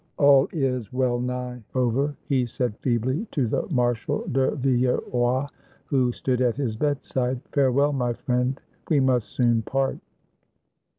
"All is well nigh over," he said feebly to the Marshal de Villeroy, who stood at his bedside; "farewell, my friend, we must soon part."